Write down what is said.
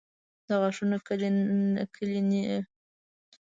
د غاښونو کلینک د هرې موسکا ساتونکی ځای دی.